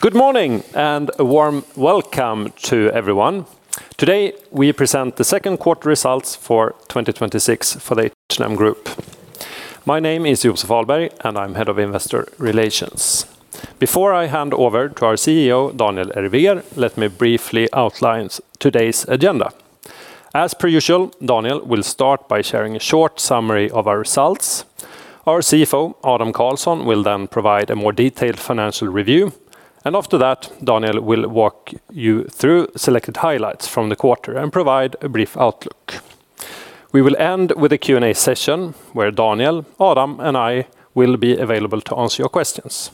Good morning and a warm welcome to everyone. Today, we present the second quarter results for 2026 for the H&M Group. My name is Joseph Ahlberg and I am Head of Investor Relations. Before I hand over to our CEO, Daniel Ervér, let me briefly outline today's agenda. As per usual, Daniel will start by sharing a short summary of our results. Our CFO, Adam Karlsson, will then provide a more detailed financial review. After that, Daniel will walk you through selected highlights from the quarter and provide a brief outlook. We will end with a Q&A session where Daniel, Adam, and I will be available to answer your questions.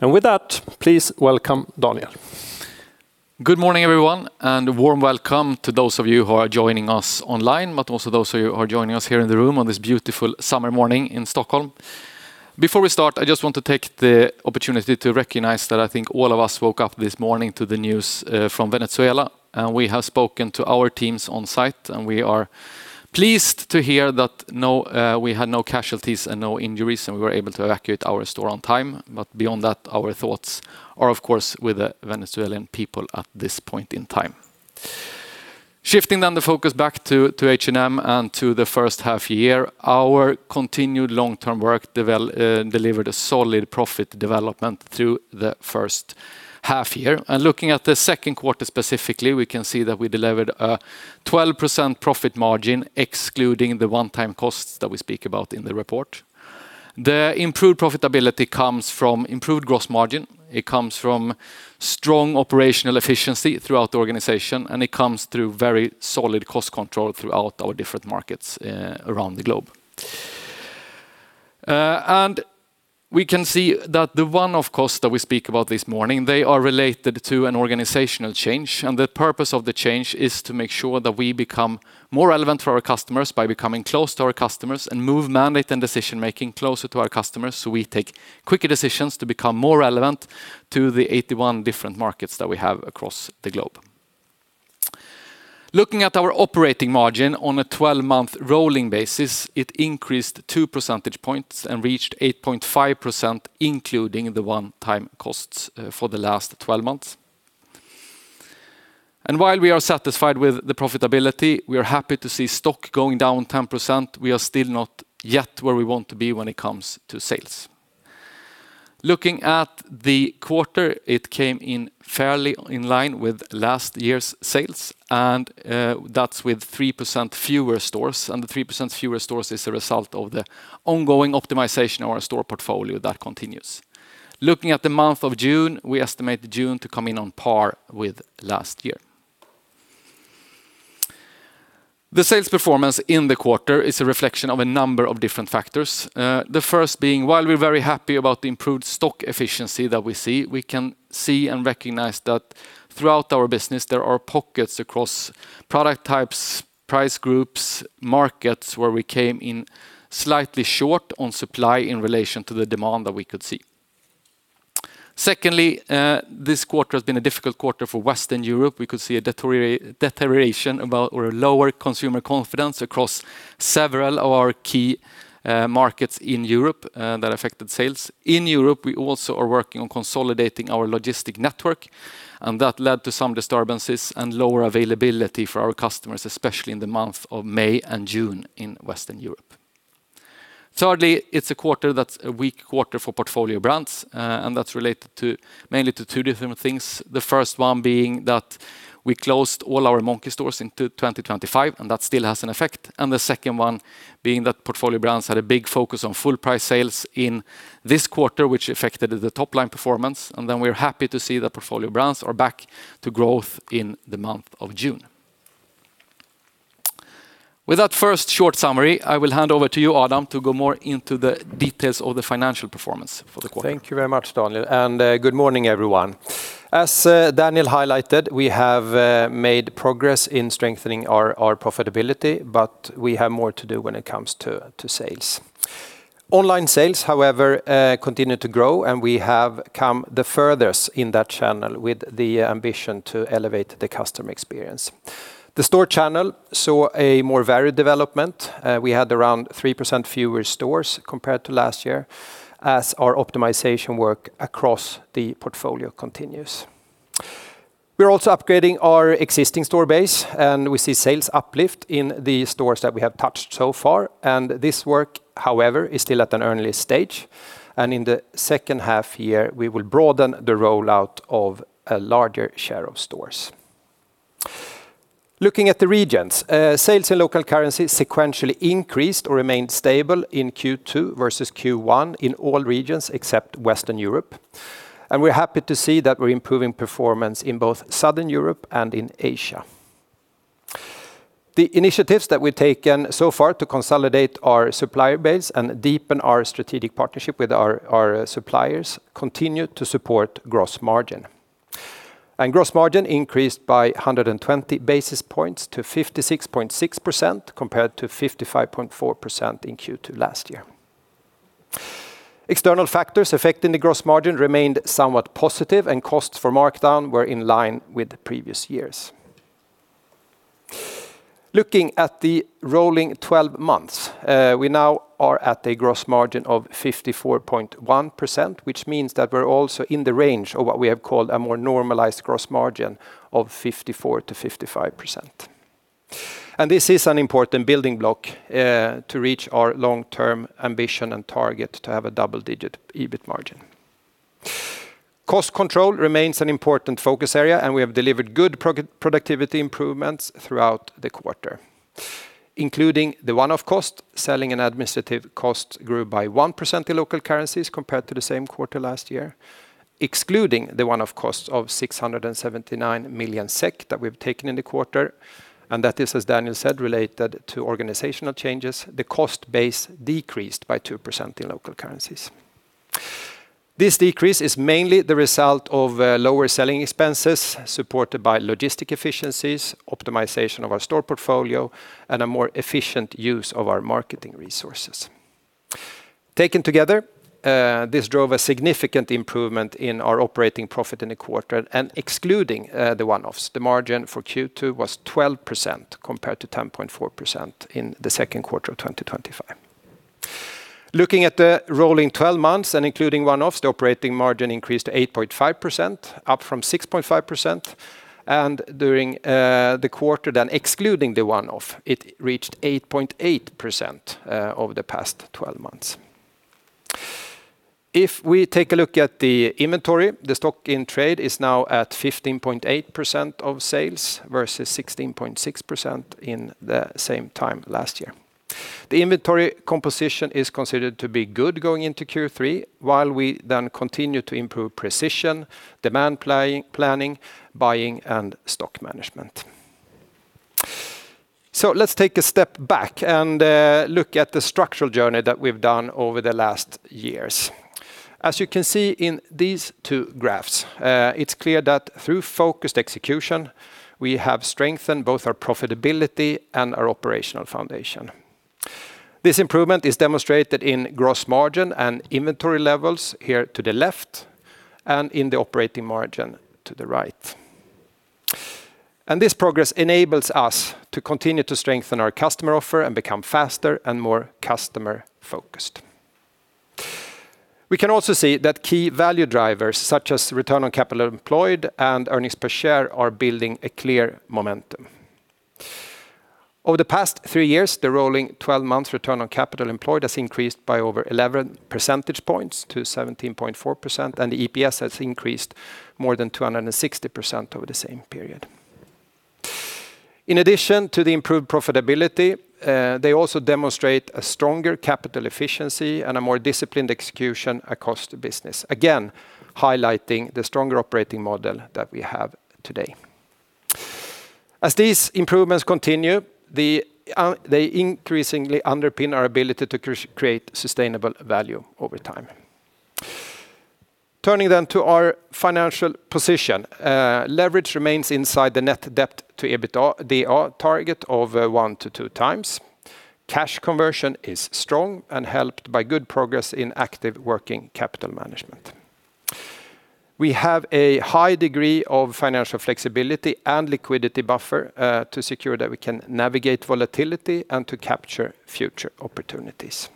With that, please welcome Daniel. Good morning, everyone, and a warm welcome to those of you who are joining us online, but also those of you who are joining us here in the room on this beautiful summer morning in Stockholm. Before we start, I just want to take the opportunity to recognize that I think all of us woke up this morning to the news from Venezuela, and we have spoken to our teams on site, and we are pleased to hear that we had no casualties and no injuries, and we were able to evacuate our store on time. Beyond that, our thoughts are, of course, with the Venezuelan people at this point in time. Shifting the focus back to H&M and to the first half year, our continued long-term work delivered a solid profit development through the first half year. Looking at the second quarter specifically, we can see that we delivered a 12% profit margin, excluding the one-time costs that we speak about in the report. The improved profitability comes from improved gross margin. It comes from strong operational efficiency throughout the organization, and it comes through very solid cost control throughout our different markets around the globe. We can see that the one-off cost that we speak about this morning, they are related to an organizational change. The purpose of the change is to make sure that we become more relevant for our customers by becoming close to our customers and move mandate and decision making closer to our customers so we take quicker decisions to become more relevant to the 81 different markets that we have across the globe. Looking at our operating margin on a 12-month rolling basis, it increased two percentage points and reached 8.5%, including the one-time costs for the last 12 months. While we are satisfied with the profitability, we are happy to see stock going down 10%. We are still not yet where we want to be when it comes to sales. Looking at the quarter, it came in fairly in line with last year's sales, and that's with 3% fewer stores. The 3% fewer stores is a result of the ongoing optimization of our store portfolio that continues. Looking at the month of June, we estimate June to come in on par with last year. The sales performance in the quarter is a reflection of a number of different factors. The first being, while we're very happy about the improved stock efficiency that we see, we can see and recognize that throughout our business, there are pockets across product types, price groups, markets, where we came in slightly short on supply in relation to the demand that we could see. Secondly, this quarter has been a difficult quarter for Western Europe. We could see a deterioration or a lower consumer confidence across several of our key markets in Europe that affected sales. In Europe, we also are working on consolidating our logistic network. That led to some disturbances and lower availability for our customers, especially in the month of May and June in Western Europe. Thirdly, it's a quarter that's a weak quarter for portfolio brands, and that's related mainly to two different things. The first one being that we closed all our Monki stores in 2025. That still has an effect. The second one being that portfolio brands had a big focus on full price sales in this quarter, which affected the top-line performance. We're happy to see that portfolio brands are back to growth in the month of June. With that first short summary, I will hand over to you, Adam, to go more into the details of the financial performance for the quarter. Thank you very much, Daniel, and good morning, everyone. As Daniel highlighted, we have made progress in strengthening our profitability. We have more to do when it comes to sales. Online sales, however, continue to grow. We have come the furthest in that channel with the ambition to elevate the customer experience. The store channel saw a more varied development. We had around 3% fewer stores compared to last year as our optimization work across the portfolio continues. We're also upgrading our existing store base, and we see sales uplift in the stores that we have touched so far. This work, however, is still at an earliest stage. In the second half year, we will broaden the rollout of a larger share of stores. Looking at the regions, sales in local currency sequentially increased or remained stable in Q2 versus Q1 in all regions except Western Europe. We're happy to see that we're improving performance in both Southern Europe and in Asia. The initiatives that we've taken so far to consolidate our supplier base and deepen our strategic partnership with our suppliers continue to support gross margin. Gross margin increased by 120 basis points to 56.6%, compared to 55.4% in Q2 last year. External factors affecting the gross margin remained somewhat positive and costs for markdown were in line with previous years. Looking at the rolling 12 months, we now are at a gross margin of 54.1%, which means that we're also in the range of what we have called a more normalized gross margin of 54%-55%. This is an important building block to reach our long-term ambition and target to have a double-digit EBIT margin. Cost control remains an important focus area, and we have delivered good productivity improvements throughout the quarter. Including the one-off cost, selling and administrative costs grew by 1% in local currencies compared to the same quarter last year. Excluding the one-off costs of 679 million SEK that we've taken in the quarter, and that is, as Daniel said, related to organizational changes, the cost base decreased by 2% in local currencies. This decrease is mainly the result of lower selling expenses supported by logistic efficiencies, optimization of our store portfolio, and a more efficient use of our marketing resources. This drove a significant improvement in our operating profit in the quarter and excluding the one-offs, the margin for Q2 was 12% compared to 10.4% in the second quarter of 2025. Looking at the rolling 12 months and including one-offs, the operating margin increased to 8.5%, up from 6.5%, and during the quarter, then excluding the one-off, it reached 8.8% over the past 12 months. If we take a look at the inventory, the stock in trade is now at 15.8% of sales versus 16.6% in the same time last year. The inventory composition is considered to be good going into Q3 while we then continue to improve precision, demand planning, buying, and stock management. So let's take a step back and look at the structural journey that we've done over the last years. As you can see in these two graphs, it's clear that through focused execution, we have strengthened both our profitability and our operational foundation. This improvement is demonstrated in gross margin and inventory levels here to the left, and in the operating margin to the right. And this progress enables us to continue to strengthen our customer offer and become faster and more customer focused. We can also see that key value drivers such as return on capital employed and earnings per share are building a clear momentum. Over the past three years, the rolling 12 months return on capital employed has increased by over 11 percentage points to 17.4%, and the EPS has increased more than 260% over the same period. In addition to the improved profitability, they also demonstrate a stronger capital efficiency and a more disciplined execution across the business. Highlighting the stronger operating model that we have today. As these improvements continue, they increasingly underpin our ability to create sustainable value over time. Turning then to our financial position. Leverage remains inside the net debt to EBITDA target of one to two times. Cash conversion is strong and helped by good progress in active working capital management. We have a high degree of financial flexibility and liquidity buffer to secure that we can navigate volatility and to capture future opportunities.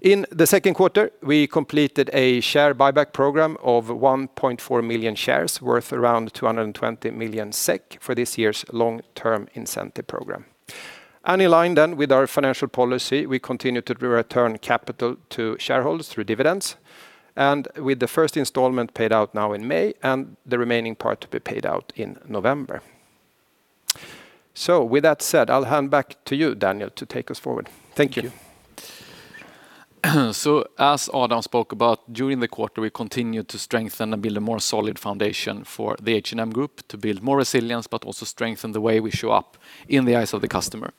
In the second quarter, we completed a share buyback program of 1.4 million shares worth around 220 million SEK for this year's long-term incentive program. In line then with our financial policy, we continue to return capital to shareholders through dividends, and with the first installment paid out now in May and the remaining part to be paid out in November. With that said, I'll hand back to you, Daniel, to take us forward. Thank you. Thank you. As Adam spoke about, during the quarter, we continued to strengthen and build a more solid foundation for the H&M Group to build more resilience, but also strengthen the way we show up in the eyes of the customer.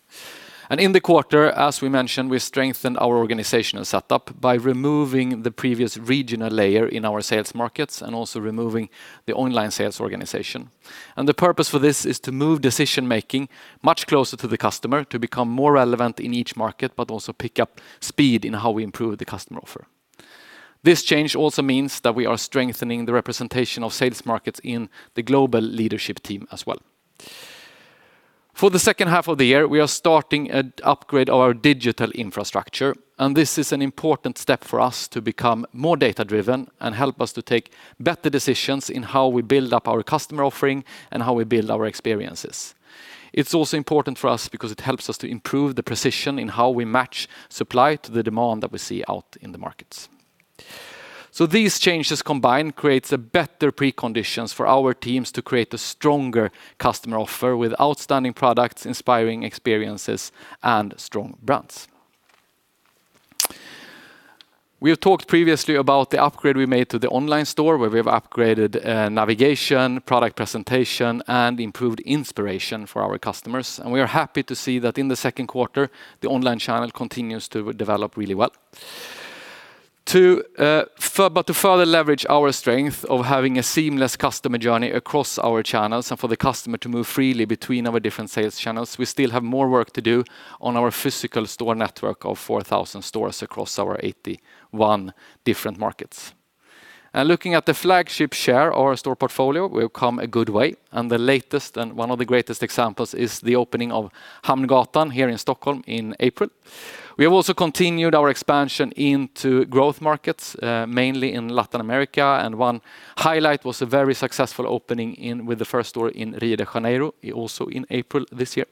In the quarter, as we mentioned, we strengthened our organizational setup by removing the previous regional layer in our sales markets and also removing the online sales organization. The purpose for this is to move decision-making much closer to the customer to become more relevant in each market, but also pick up speed in how we improve the customer offer. This change also means that we are strengthening the representation of sales markets in the global leadership team as well. For the second half of the year, we are starting an upgrade of our digital infrastructure. This is an important step for us to become more data-driven and help us to take better decisions in how we build up our customer offering and how we build our experiences. It's also important for us because it helps us to improve the precision in how we match supply to the demand that we see out in the markets. These changes combined creates a better preconditions for our teams to create a stronger customer offer with outstanding products, inspiring experiences, and strong brands. We have talked previously about the upgrade we made to the online store, where we have upgraded navigation, product presentation, and improved inspiration for our customers. We are happy to see that in the second quarter, the online channel continues to develop really well. To further leverage our strength of having a seamless customer journey across our channels and for the customer to move freely between our different sales channels, we still have more work to do on our physical store network of 4,000 stores across our 81 different markets. Looking at the flagship share of our store portfolio, we have come a good way. The latest and one of the greatest examples is the opening of Hamngatan here in Stockholm in April. We have also continued our expansion into growth markets, mainly in Latin America. One highlight was a very successful opening with the first store in Rio de Janeiro, also in April this year.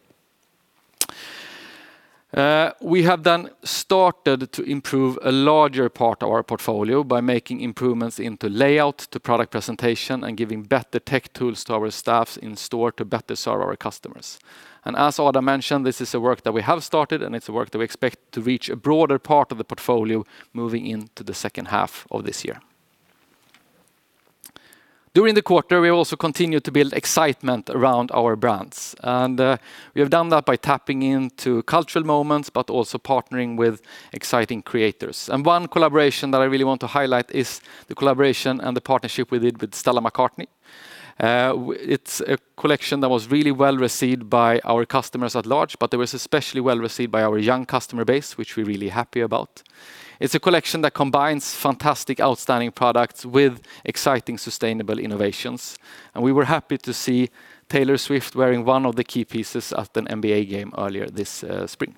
We have then started to improve a larger part of our portfolio by making improvements into layout, to product presentation, and giving better tech tools to our staffs in store to better serve our customers. As Adam mentioned, this is work that we have started, and it's work that we expect to reach a broader part of the portfolio moving into the second half of this year. During the quarter, we also continued to build excitement around our brands. We have done that by tapping into cultural moments, but also partnering with exciting creators. One collaboration that I really want to highlight is the collaboration and the partnership we did with Stella McCartney. It's a collection that was really well-received by our customers at large, but it was especially well-received by our young customer base, which we're really happy about. It's a collection that combines fantastic, outstanding products with exciting, sustainable innovations. We were happy to see Taylor Swift wearing one of the key pieces at an NBA game earlier this spring.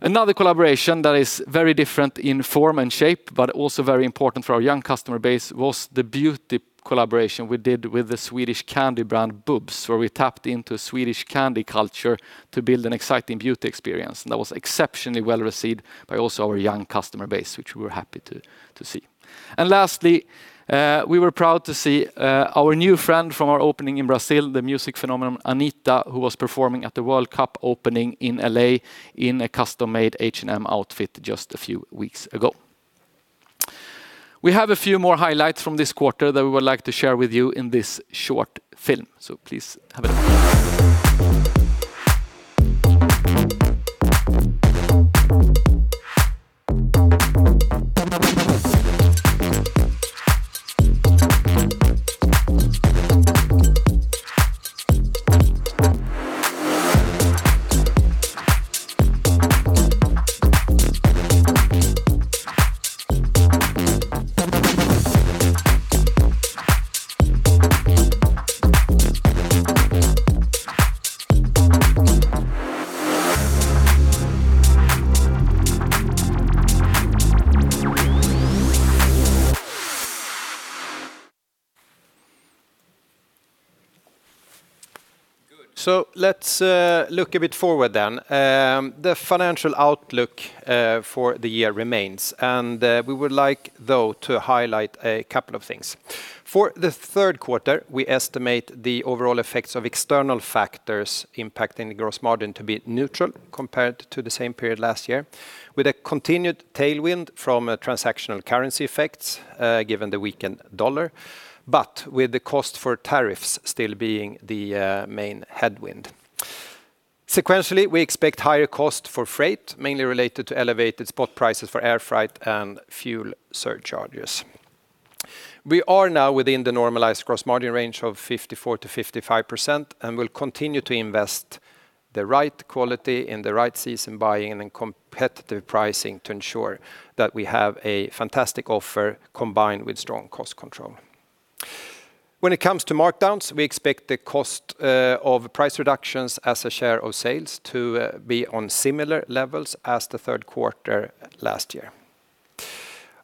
Another collaboration that is very different in form and shape, but also very important for our young customer base, was the beauty collaboration we did with the Swedish candy brand Bubs, where we tapped into Swedish candy culture to build an exciting beauty experience. That was exceptionally well-received by also our young customer base, which we were happy to see. Lastly, we were proud to see our new friend from our opening in Brazil, the music phenomenon, Anitta, who was performing at the World Cup opening in L.A. in a custom-made H&M outfit just a few weeks ago. We have a few more highlights from this quarter that we would like to share with you in this short film. Please have a look. Good. Let's look a bit forward then. The financial outlook for the year remains, We would like, though, to highlight a couple of things. For the third quarter, we estimate the overall effects of external factors impacting gross margin to be neutral compared to the same period last year, with a continued tailwind from transactional currency effects, given the weakened dollar, but with the cost for tariffs still being the main headwind. Sequentially, we expect higher cost for freight, mainly related to elevated spot prices for air freight and fuel surcharges. We are now within the normalized gross margin range of 54%-55% and will continue to invest the right quality in the right season, buying in competitive pricing to ensure that we have a fantastic offer combined with strong cost control. When it comes to markdowns, we expect the cost of price reductions as a share of sales to be on similar levels as the third quarter last year.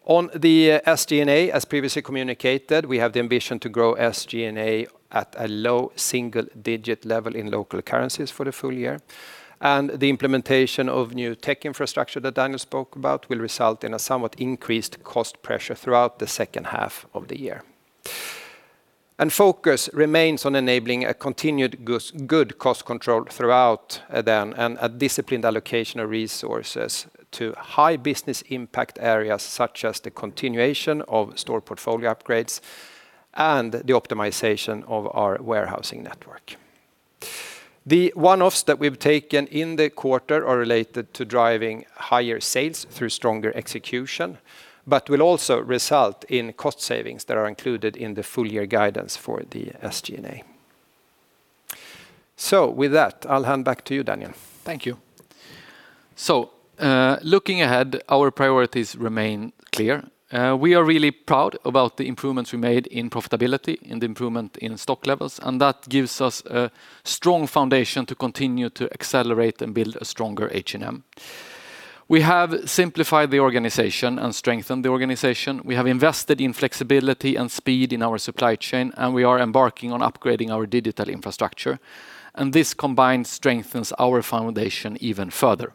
On the SG&A, as previously communicated, we have the ambition to grow SG&A at a low single-digit level in local currencies for the full year. The implementation of new tech infrastructure that Daniel spoke about will result in a somewhat increased cost pressure throughout the second half of the year. Focus remains on enabling a continued good cost control throughout, then, and a disciplined allocation of resources to high business impact areas, such as the continuation of store portfolio upgrades and the optimization of our warehousing network. The one-offs that we've taken in the quarter are related to driving higher sales through stronger execution but will also result in cost savings that are included in the full-year guidance for the SG&A. With that, I'll hand back to you, Daniel. Thank you. Looking ahead, our priorities remain clear. We are really proud about the improvements we made in profitability and the improvement in stock levels, that gives us a strong foundation to continue to accelerate and build a stronger H&M. We have simplified the organization and strengthened the organization. We have invested in flexibility and speed in our supply chain, and we are embarking on upgrading our digital infrastructure. This combined strengthens our foundation even further.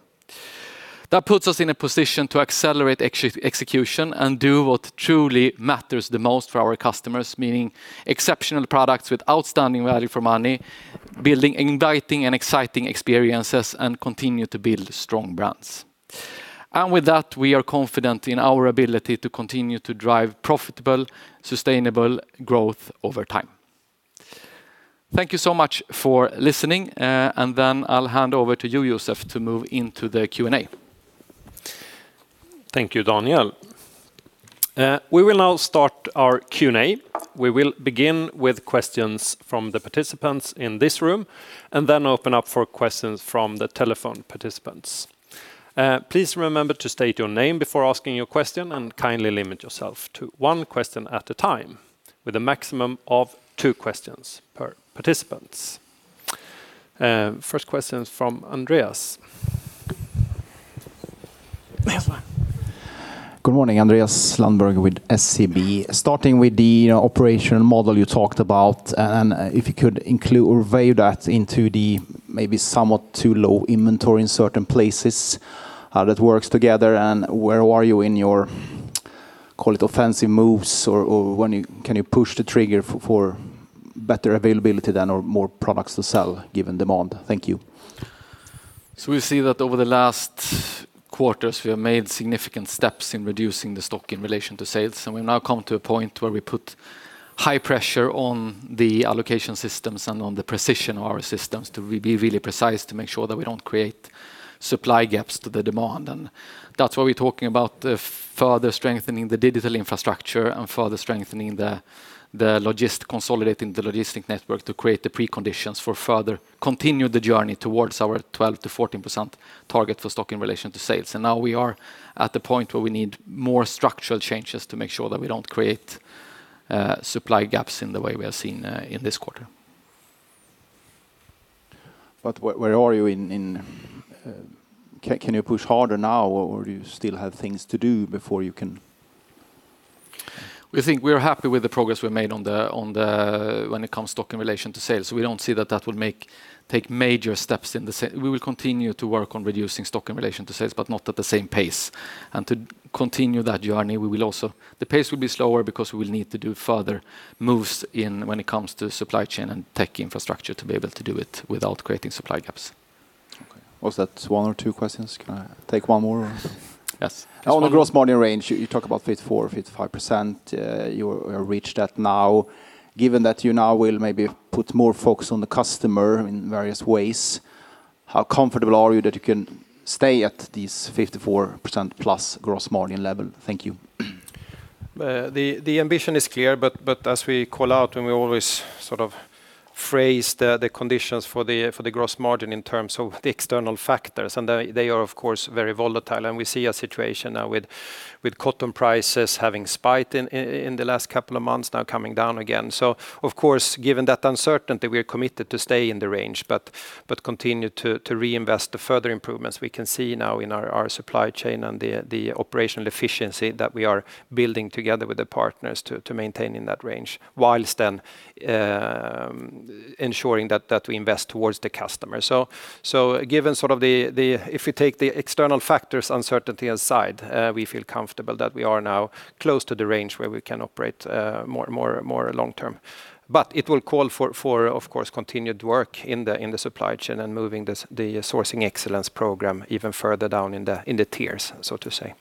That puts us in a position to accelerate execution and do what truly matters the most for our customers, meaning exceptional products with outstanding value for money, building inviting and exciting experiences, and continue to build strong brands. With that, we are confident in our ability to continue to drive profitable, sustainable growth over time. Thank you so much for listening. Then I'll hand over to you, Joseph, to move into the Q&A. Thank you, Daniel. We will now start our Q&A. We will begin with questions from the participants in this room and then open up for questions from the telephone participants. Please remember to state your name before asking your question, and kindly limit yourself to one question at a time. With a maximum of two questions per participant. First question's from Andreas. Good morning. Andreas Lundberg with SEB. Starting with the operation model you talked about, and if you could include or weigh that into the maybe somewhat too low inventory in certain places, how that works together, and where are you in your call it offensive moves, or when can you push the trigger for better availability than, or more products to sell given demand? Thank you. We see that over the last quarters, we have made significant steps in reducing the stock in relation to sales. We've now come to a point where we put high pressure on the allocation systems and on the precision of our systems to be really precise, to make sure that we don't create supply gaps to the demand. That's why we're talking about further strengthening the digital infrastructure and further consolidating the logistic network to create the preconditions for further continue the journey towards our 12%-14% target for stock in relation to sales. Now we are at the point where we need more structural changes to make sure that we don't create supply gaps in the way we have seen in this quarter. Where are you? Can you push harder now, or do you still have things to do before you can? We think we are happy with the progress we've made when it comes stock in relation to sales. We don't see that that will take major steps. We will continue to work on reducing stock in relation to sales, but not at the same pace. To continue that journey, the pace will be slower because we will need to do further moves when it comes to supply chain and tech infrastructure to be able to do it without creating supply gaps. Okay. Was that one or two questions? Can I take one more? Yes. On the gross margin range, you talk about 54%-55%. You reach that now. Given that you now will maybe put more focus on the customer in various ways, how comfortable are you that you can stay at this 54%+ gross margin level? Thank you. The ambition is clear, as we call out and we always phrase the conditions for the gross margin in terms of the external factors, and they are of course very volatile. We see a situation now with cotton prices having spiked in the last couple of months, now coming down again. Of course, given that uncertainty, we are committed to stay in the range but continue to reinvest the further improvements we can see now in our supply chain and the operational efficiency that we are building together with the partners to maintain in that range, whilst then ensuring that we invest towards the customer. If you take the external factors, uncertainty aside, we feel comfortable that we are now close to the range where we can operate more long term. It will call for, of course, continued work in the supply chain and moving the sourcing excellence program even further down in the tiers, so to say.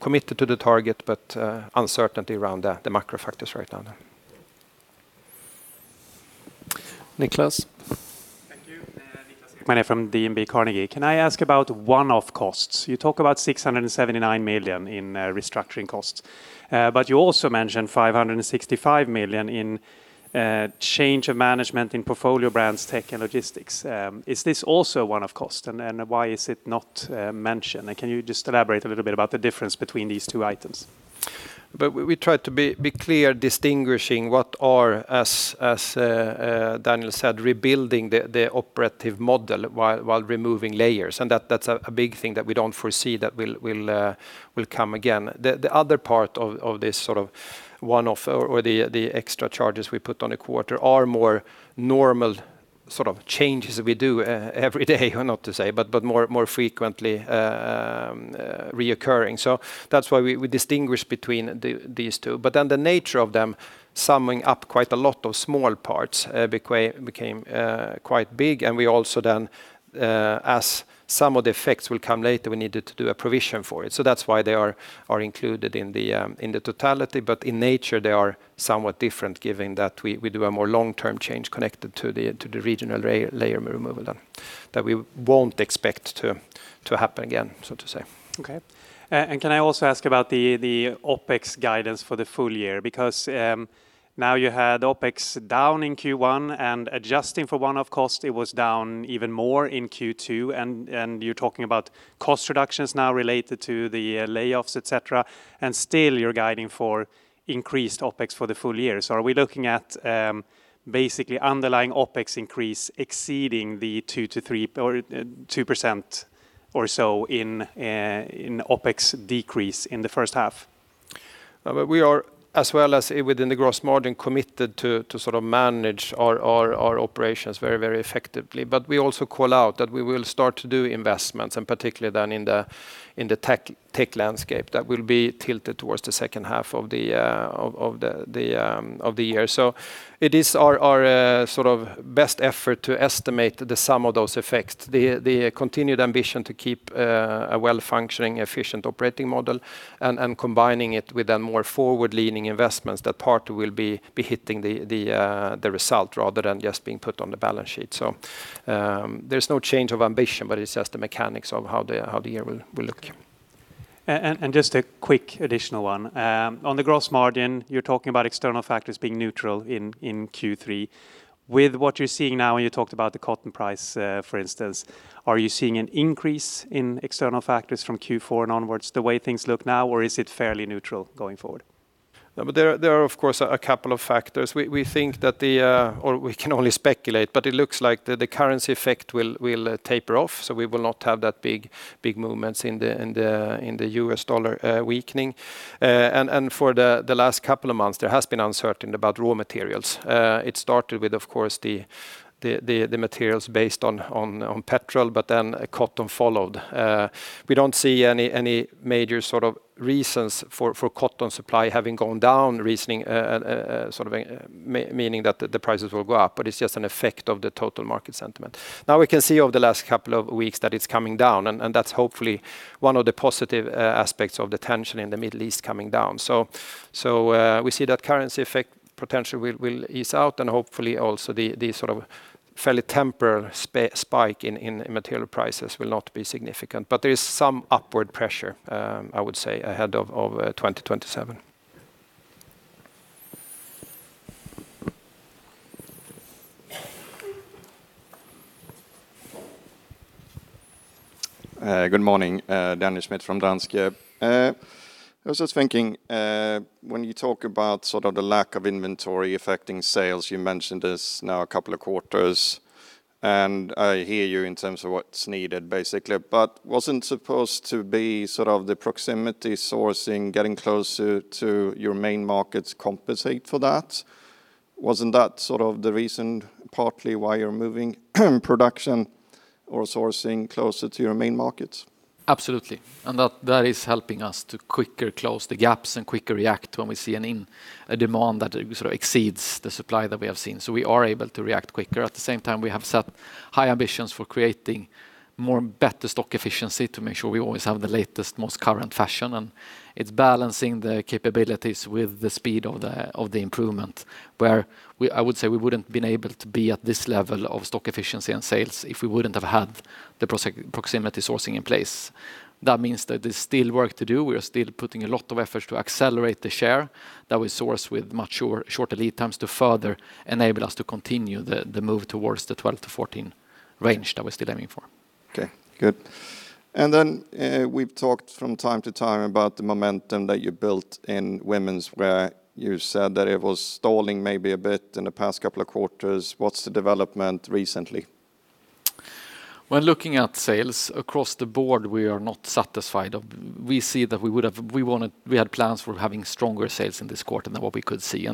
Committed to the target, but uncertainty around the macro factors right now. Niklas. Thank you. Niklas from DNB Carnegie. Can I ask about one-off costs? You talk about 679 million in restructuring costs. You also mentioned 565 million in change of management in portfolio brands, tech, and logistics. Is this also one-off cost, and why is it not mentioned? Can you just elaborate a little bit about the difference between these two items? We try to be clear distinguishing what are, as Daniel said, rebuilding the operative model while removing layers. That's a big thing that we don't foresee that will come again. The other part of this one-off or the extra charges we put on a quarter are more normal changes that we do every day, not to say, but more frequently reoccurring. That's why we distinguish between these two. The nature of them summing up quite a lot of small parts became quite big. We also then, as some of the effects will come later, we needed to do a provision for it. That's why they are included in the totality. In nature, they are somewhat different given that we do a more long-term change connected to the regional layer removal that we won't expect to happen again, so to say. Okay. Can I also ask about the OpEx guidance for the full year? Because now you had OpEx down in Q1 and adjusting for one-off cost, it was down even more in Q2. You're talking about cost reductions now related to the layoffs, et cetera, and still you're guiding for increased OpEx for the full year. Are we looking at basically underlying OpEx increase exceeding the 2% or so in OpEx decrease in the first half? We are, as well as within the gross margin, committed to manage our operations very effectively. We also call out that we will start to do investments, and particularly then in the tech landscape, that will be tilted towards the second half of the year. It is our best effort to estimate the sum of those effects. The continued ambition to keep a well-functioning, efficient operating model and combining it with a more forward-leaning investments. That part will be hitting the result rather than just being put on the balance sheet. There's no change of ambition, it's just the mechanics of how the year will look. Just a quick additional one. On the gross margin, you're talking about external factors being neutral in Q3. With what you're seeing now, and you talked about the cotton price, for instance. Are you seeing an increase in external factors from Q4 onwards, the way things look now, or is it fairly neutral going forward? There are, of course, a couple of factors. We can only speculate, but it looks like the currency effect will taper off. We will not have that big movements in the U.S. dollar weakening. For the last couple of months, there has been uncertainty about raw materials. It started with, of course, the materials based on petrol, but then cotton followed. We don't see any major reasons for cotton supply having gone down, meaning that the prices will go up, but it's just an effect of the total market sentiment. Now we can see over the last couple of weeks that it's coming down, and that's hopefully one of the positive aspects of the tension in the Middle East coming down. We see that currency effect potentially will ease out and hopefully also the fairly temporal spike in material prices will not be significant. There is some upward pressure, I would say, ahead of 2027. Good morning. Daniel Schmidt from Danske Bank. I was just thinking, when you talk about the lack of inventory affecting sales, you mentioned this now a couple of quarters, and I hear you in terms of what's needed, basically. Wasn't supposed to be the proximity sourcing, getting closer to your main markets compensate for that? Wasn't that the reason partly why you're moving production or sourcing closer to your main markets? Absolutely. That is helping us to quicker close the gaps and quicker react when we see a demand that exceeds the supply that we have seen. We are able to react quicker. At the same time, we have set high ambitions for creating better stock efficiency to make sure we always have the latest, most current fashion. It's balancing the capabilities with the speed of the improvement, where I would say we wouldn't been able to be at this level of stock efficiency and sales if we wouldn't have had the proximity sourcing in place. That means that there's still work to do. We are still putting a lot of effort to accelerate the share that we source with much shorter lead times to further enable us to continue the move towards the 12-14 range that we're still aiming for. Okay, good. We've talked from time to time about the momentum that you built in womenswear. You said that it was stalling maybe a bit in the past couple of quarters. What's the development recently? When looking at sales across the board, we are not satisfied. We had plans for having stronger sales in this quarter than what we could see.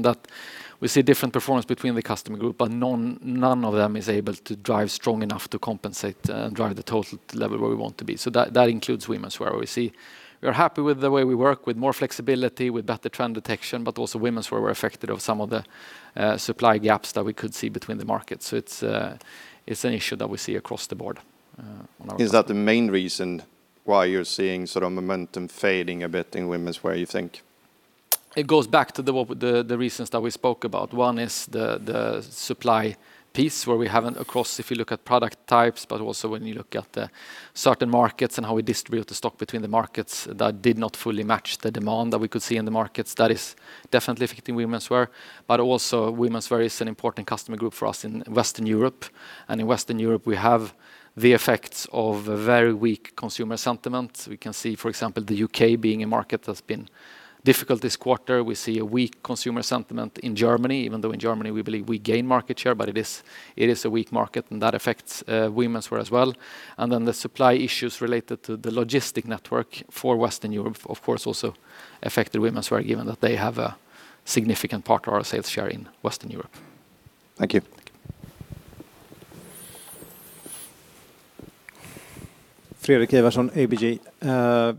We see different performance between the customer group, but none of them is able to drive strong enough to compensate and drive the total level where we want to be. That includes womenswear. We are happy with the way we work with more flexibility, with better trend detection, but also womenswear were affected of some of the supply gaps that we could see between the markets. It's an issue that we see across the board on our part. Is that the main reason why you're seeing momentum fading a bit in womenswear, you think? It goes back to the reasons that we spoke about. One is the supply piece, where we haven't, across, if you look at product types, but also when you look at the certain markets and how we distribute the stock between the markets, that did not fully match the demand that we could see in the markets. That is definitely affecting womenswear. Also womenswear is an important customer group for us in Western Europe. In Western Europe, we have the effects of a very weak consumer sentiment. We can see, for example, the U.K. being a market that's been difficult this quarter. We see a weak consumer sentiment in Germany, even though in Germany, we believe we gain market share, but it is a weak market, and that affects womenswear as well. The supply issues related to the logistic network for Western Europe, of course, also affected womenswear, given that they have a significant part of our sales share in Western Europe. Thank you. Fredrik Ivarsson, ABG Sundal Collier.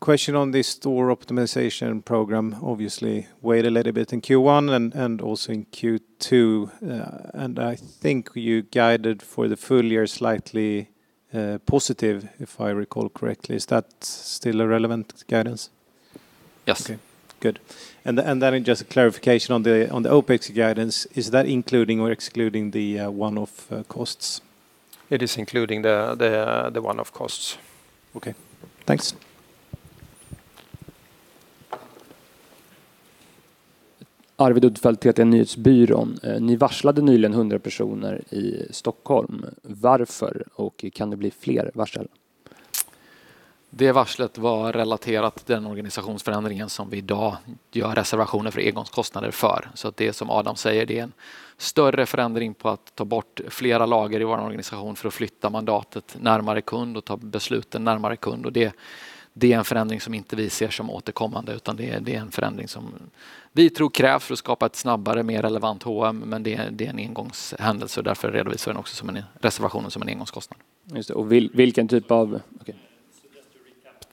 Question on the store optimization program. Obviously weighed a little bit in Q1 and also in Q2. I think you guided for the full year slightly positive, if I recall correctly. Is that still a relevant guidance? Yes. Okay, good. Then just a clarification on the OpEx guidance. Is that including or excluding the one-off costs? It is including the one-off costs. Okay, thanks. Arvid Uddfeldt, TT Nyhetsbyrån. Recently you gave notice to 100 people in Stockholm. Why, and could there be more layoffs? That notice was related to the organizational change that we are today making provisions for one-off costs for. It is as Adam says, it is a greater change in removing several layers in our organization in order to move the mandate closer to the customer and make decisions closer to the customer. That is a change that we do not see as recurring, it is a change that we believe is needed to create a faster, more relevant H&M. It is a one-off event and therefore we also report the provision as a one-off cost. What type of? Just to recap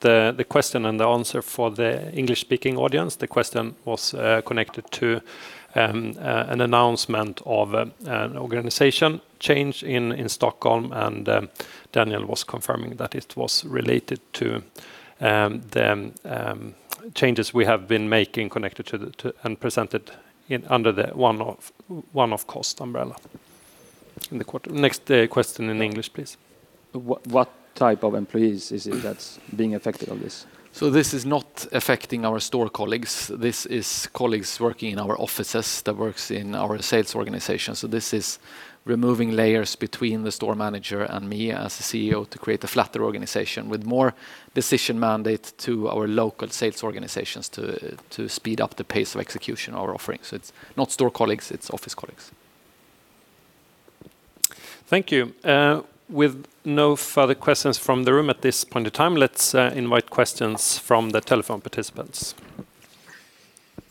the question and the answer for the English-speaking audience. The question was connected to an announcement of an organization change in Stockholm, Daniel was confirming that it was related to the changes we have been making and presented under the one-off cost umbrella in the quarter. Next question in English, please. What type of employees is it that's being affected on this? This is not affecting our store colleagues. This is colleagues working in our offices that work in our sales organization. This is removing layers between the store manager and me as the CEO to create a flatter organization with more decision mandate to our local sales organizations to speed up the pace of execution of our offerings. It's not store colleagues, it's office colleagues. Thank you. With no further questions from the room at this point in time, let's invite questions from the telephone participants.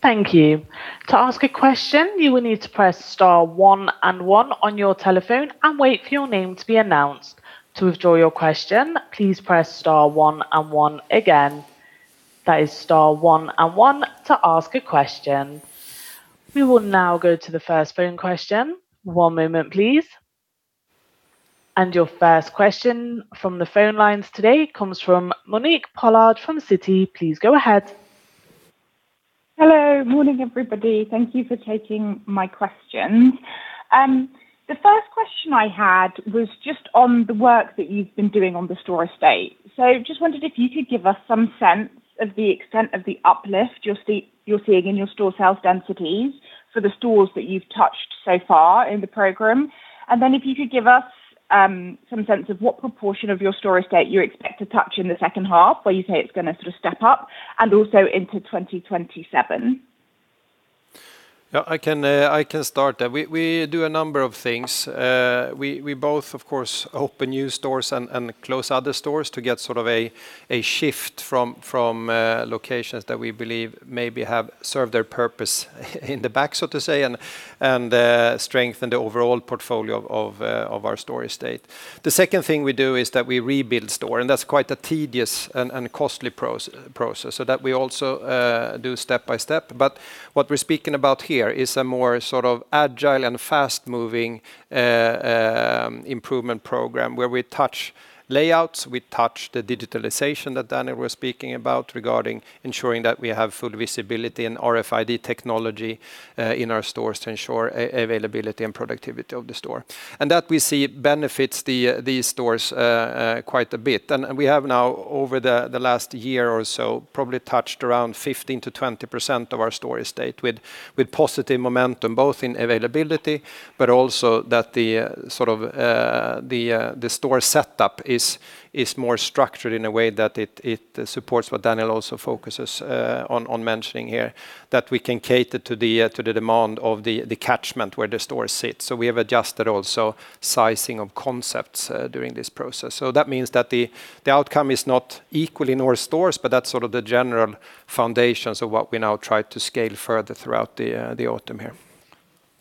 Thank you. To ask a question, you will need to press star one and one on your telephone and wait for your name to be announced. To withdraw your question, please press star one and one again. That is star one and one to ask a question. We will now go to the first phone question. One moment, please. Your first question from the phone lines today comes from Monique Pollard from Citi. Please go ahead. Hello. Morning, everybody. Thank you for taking my questions. The first question I had was just on the work that you've been doing on the store estate. Just wondered if you could give us some sense of the extent of the uplift you're seeing in your store sales densities for the stores that you've touched so far in the program. Then if you could give us some sense of what proportion of your store estate you expect to touch in the second half, where you say it's going to step up, and also into 2027. I can start that. We do a number of things. We both, of course, open new stores and close other stores to get a shift from locations that we believe maybe have served their purpose in the back, so to say, and strengthen the overall portfolio of our store estate. The second thing we do is that we rebuild stores, and that's quite a tedious and costly process. That we also do step by step, but what we're speaking about here is a more agile and fast-moving improvement program where we touch layouts, we touch the digitalization that Daniel was speaking about regarding ensuring that we have full visibility and RFID technology in our stores to ensure availability and productivity of the store. That we see benefits these stores quite a bit. We have now, over the last year or so, probably touched around 15%-20% of our store estate with positive momentum, both in availability, but also that the store setup is more structured in a way that it supports what Daniel also focuses on mentioning here, that we can cater to the demand of the catchment where the stores sit. We have adjusted also sizing of concepts during this process. That means that the outcome is not equal in all stores, but that's the general foundation. What we now try to scale further throughout the autumn here.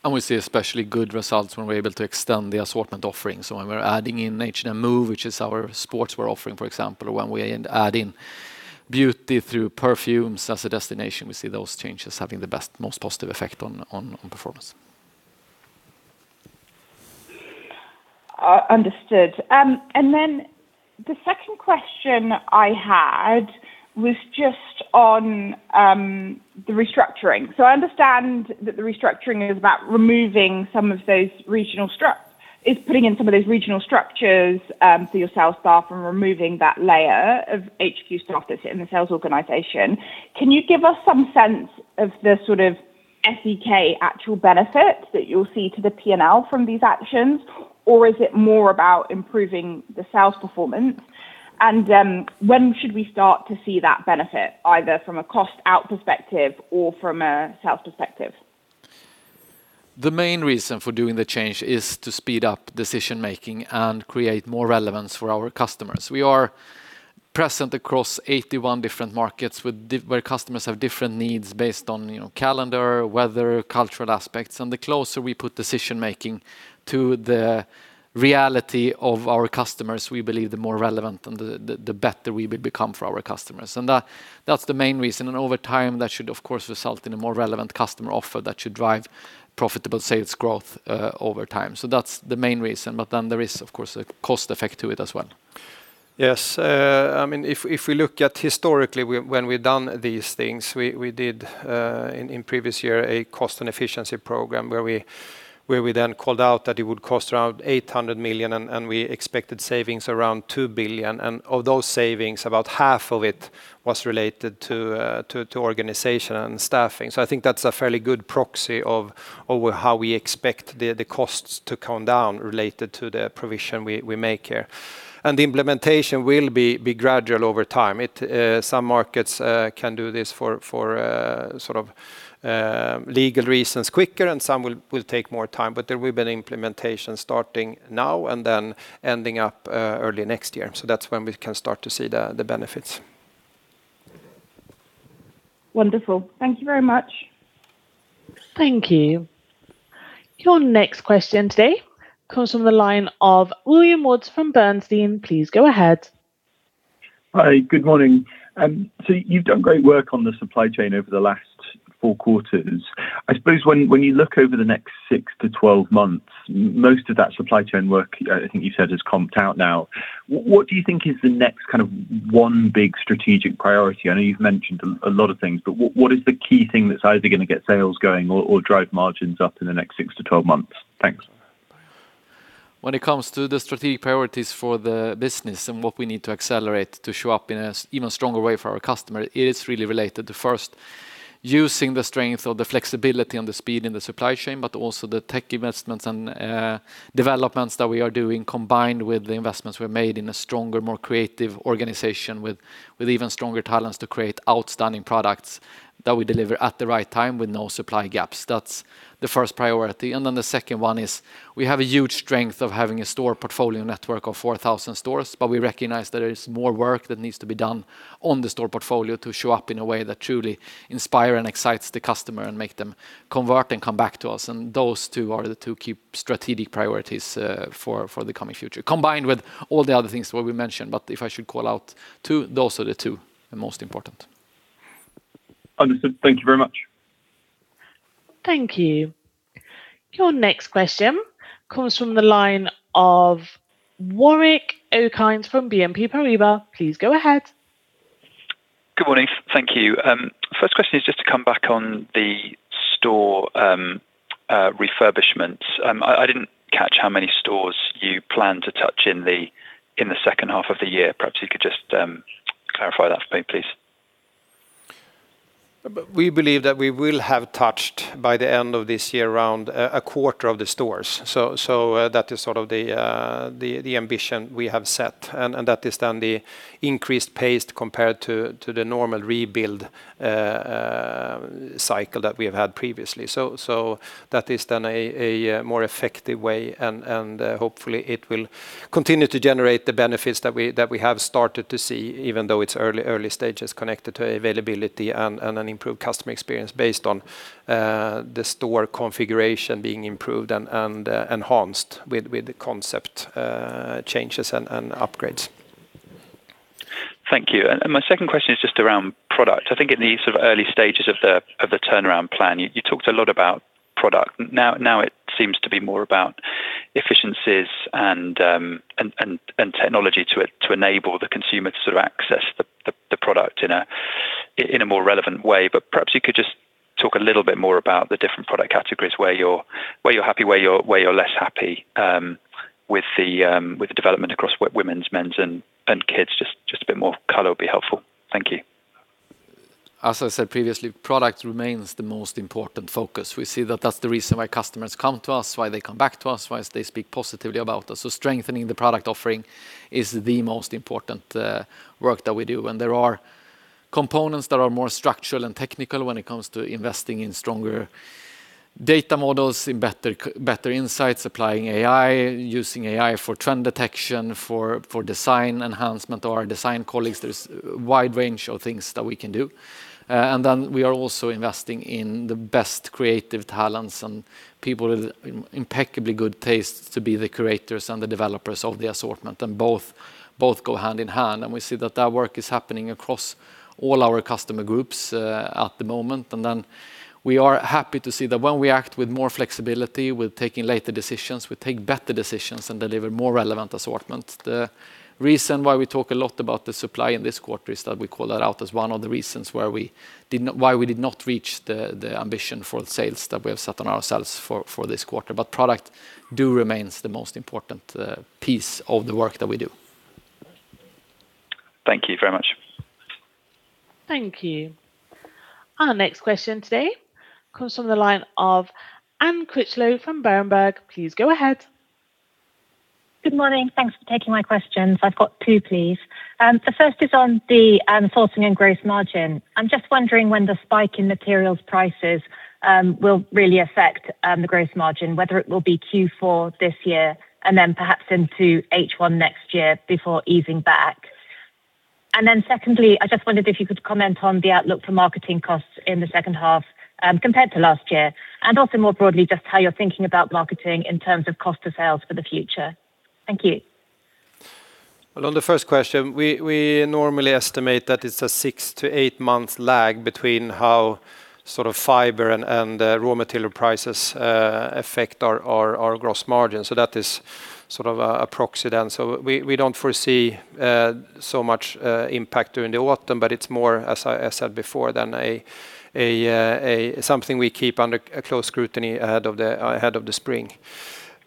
We see especially good results when we're able to extend the assortment offering. When we're adding in H&M Move, which is our sportswear offering, for example, or when we add in beauty through perfumes as a destination, we see those changes having the most positive effect on performance. Understood. The second question I had was just on the restructuring. I understand that the restructuring is putting in some of those regional structures, so your sales staff, and removing that layer of HQ staff that sit in the sales organization. Can you give us some sense of the SEK actual benefit that you'll see to the P&L from these actions? Or is it more about improving the sales performance? When should we start to see that benefit, either from a cost out perspective or from a sales perspective? The main reason for doing the change is to speed up decision making and create more relevance for our customers. We are present across 81 different markets where customers have different needs based on calendar, weather, cultural aspects. The closer we put decision making to the reality of our customers, we believe the more relevant and the better we will become for our customers. That's the main reason. Over time, that should, of course, result in a more relevant customer offer that should drive profitable sales growth over time. That's the main reason. There is, of course, a cost effect to it as well. Yes. If we look at historically when we've done these things, we did, in previous year, a cost and efficiency program where we then called out that it would cost around 800 million, and we expected savings around 2 billion. Of those savings, about half of it was related to organization and staffing. I think that's a fairly good proxy of how we expect the costs to come down related to the provision we make here. The implementation will be gradual over time. Some markets can do this for legal reasons quicker, and some will take more time. There will be an implementation starting now and then ending up early next year. That's when we can start to see the benefits. Wonderful. Thank you very much. Thank you. Your next question today comes from the line of William Woods from Bernstein. Please go ahead. Hi. Good morning. You've done great work on the supply chain over the last four quarters. I suppose when you look over the next 6-12 months, most of that supply chain work, I think you said, is comped out now. What do you think is the next one big strategic priority? I know you've mentioned a lot of things, but what is the key thing that's either going to get sales going or drive margins up in the next 6-12 months? Thanks. When it comes to the strategic priorities for the business and what we need to accelerate to show up in an even stronger way for our customer, it is really related to, first, using the strength of the flexibility and the speed in the supply chain, but also the tech investments and developments that we are doing, combined with the investments we have made in a stronger, more creative organization with even stronger talents to create outstanding products that we deliver at the right time with no supply gaps. That's the first priority. The second one is, we have a huge strength of having a store portfolio network of 4,000 stores, but we recognize that there is more work that needs to be done on the store portfolio to show up in a way that truly inspire and excites the customer and make them convert and come back to us. Those two are the two key strategic priorities for the coming future, combined with all the other things, what we mentioned. If I should call out two, those are the two most important. Understood. Thank you very much. Thank you. Your next question comes from the line of Warwick Okines from BNP Paribas. Please go ahead. Good morning. Thank you. First question is just to come back on the store refurbishments. I didn't catch how many stores you plan to touch in the second half of the year. Perhaps you could just clarify that for me, please. We believe that we will have touched, by the end of this year, around a quarter of the stores. That is sort of the ambition we have set. That is then the increased pace compared to the normal rebuild cycle that we have had previously. That is then a more effective way, and hopefully, it will continue to generate the benefits that we have started to see, even though it's early stages connected to availability and an improved customer experience based on the store configuration being improved and enhanced with the concept changes and upgrades. Thank you. My second question is just around product. I think in the early stages of the turnaround plan, you talked a lot about product. Now it seems to be more about efficiencies and technology to enable the consumer to access the product in a more relevant way. Perhaps you could just talk a little bit more about the different product categories, where you're happy, where you're less happy with the development across women's, men's, and kids. A bit more color would be helpful. Thank you. As I said previously, product remains the most important focus. We see that that's the reason why customers come to us, why they come back to us, why they speak positively about us. Strengthening the product offering is the most important work that we do. There are components that are more structural and technical when it comes to investing in stronger data models, in better insights, applying AI, using AI for trend detection, for design enhancement of our design colleagues. There is a wide range of things that we can do. Then we are also investing in the best creative talents and people with impeccably good taste to be the curators and the developers of the assortment. Both go hand in hand. We see that that work is happening across all our customer groups at the moment. Then we are happy to see that when we act with more flexibility, with taking later decisions, we take better decisions and deliver more relevant assortment. The reason why we talk a lot about the supply in this quarter is that we call that out as one of the reasons why we did not reach the ambition for sales that we have set on ourselves for this quarter. Product do remains the most important piece of the work that we do. Thank you very much. Thank you. Our next question today comes from the line of Anne Critchlow from Berenberg. Please go ahead. Good morning. Thanks for taking my questions. I've got two, please. The first is on the sourcing and gross margin. I'm just wondering when the spike in materials prices will really affect the gross margin, whether it will be Q4 this year and then perhaps into H1 next year before easing back. Secondly, I just wondered if you could comment on the outlook for marketing costs in the second half compared to last year. More broadly, just how you're thinking about marketing in terms of cost of sales for the future. Thank you. On the first question, we normally estimate that it's a 6-8 month lag between how fiber and raw material prices affect our gross margin. That is sort of approximate. We don't foresee so much impact during the autumn, but it's more, as I said before, something we keep under close scrutiny ahead of the spring.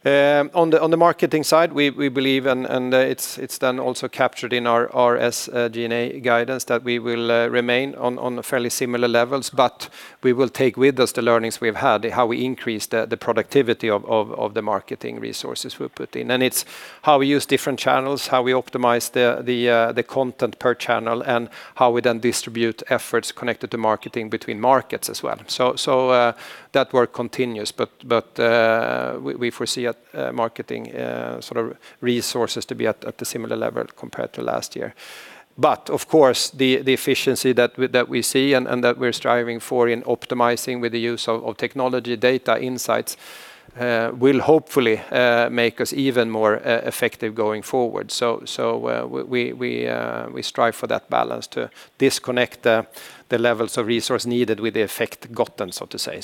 On the marketing side, we believe, and it's then also captured in our SG&A guidance, that we will remain on fairly similar levels, but we will take with us the learnings we've had, how we increase the productivity of the marketing resources we put in. It's how we use different channels, how we optimize the content per channel, and how we then distribute efforts connected to marketing between markets as well. That work continues, but we foresee marketing resources to be at a similar level compared to last year. Of course, the efficiency that we see and that we're striving for in optimizing with the use of technology data insights will hopefully make us even more effective going forward. We strive for that balance to disconnect the levels of resource needed with the effect gotten, so to say.